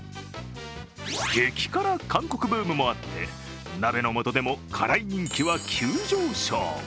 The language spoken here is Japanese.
激辛・韓国ブームもあって鍋の素でも辛い人気は急上昇。